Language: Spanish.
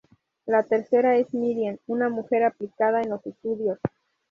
La tercera es Miriam, una mujer aplicada en los estudios.